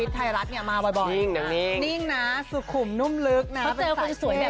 เจอคนสวยแบบคุณหรือเปล่าเขาเลยกล้าบอีก